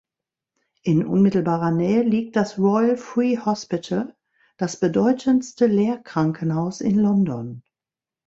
In unmittelbarer Nähe liegt das Royal Free Hospital, das bedeutendste Lehrkrankenhaus in London.